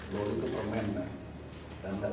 loli itu pemen